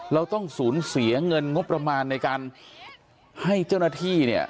เราต้องสูญเสียเงินงบประมาณในการให้เจ้าหน้าที่เนี่ย